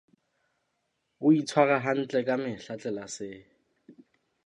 O itshwara hantle ka mehla tlelaseng.